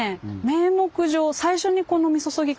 名目上最初にこのみそそぎ